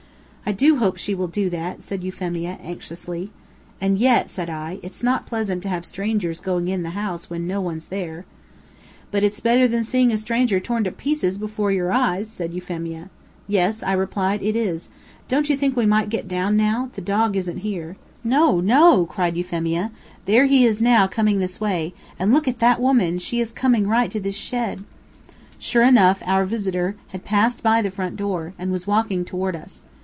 "I do hope she will do that," said Euphemia, anxiously. "And yet," said I, "it's not pleasant to have strangers going into the house when there's no one there." "But it's better than seeing a stranger torn to pieces before your eyes," said Euphemia. "Yes," I replied, "it is. Don't you think we might get down now? The dog isn't here." "No, no!" cried Euphemia. "There he is now, coming this way. And look at that woman! She is coming right to this shed." Sure enough, our visitor had passed by the front door, and was walking toward us.